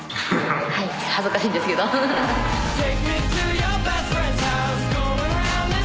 はい恥ずかしいんですけどはははっ。